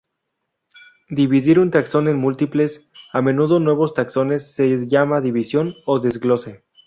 Dividir un taxón en múltiples, a menudo nuevos taxones, se llama división o desglose.